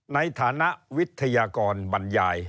ในฐานะวิทยากรบรรยาย